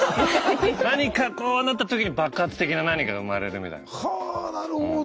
何かこうなった時に爆発的な何かが生まれるみたいな。はあなるほど。